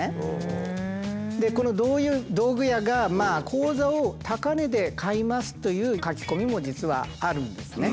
でこの道具屋が「口座を高値で買います」という書き込みも実はあるんですね。